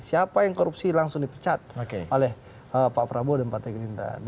siapa yang korupsi langsung dipecat oleh pak prabowo dan partai gerindra